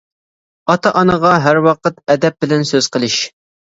ئاتا-ئانىغا ھەر ۋاقىت ئەدەپ بىلەن سۆز قىلىش.